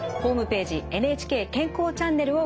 「ＮＨＫ健康チャンネル」をご用意しています。